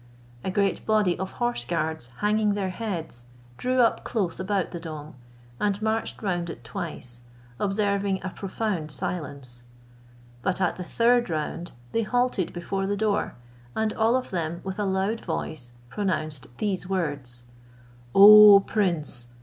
A great body of horse guards hanging their heads, drew up close about the dome, and marched round it twice, observing a profound silence; but at the third round they halted before the door, and all of them with a loud voice pronounced these words: "O prince!